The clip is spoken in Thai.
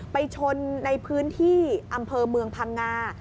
ไปชนในพื้นที่อำเภอเมืองพังงา